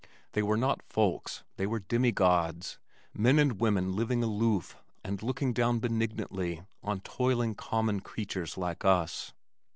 They were not folks, they were demigods, men and women living aloof and looking down benignantly on toiling common creatures like us.